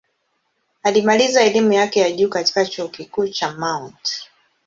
Alimaliza elimu yake ya juu katika Chuo Kikuu cha Mt.